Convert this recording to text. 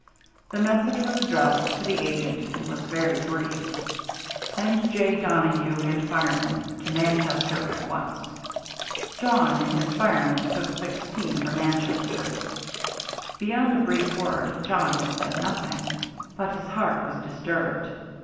The message was addressed to the agent, and was very brief: Send J. Donohue and fireman to Manchester at once. Jawn and his fireman took 16 for Manchester. Beyond a brief word Jawn had said nothing, but his heart was disturbed.